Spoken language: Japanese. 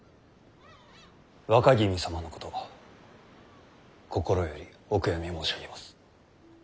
若君様のこと心よりお悔やみ申し上げます。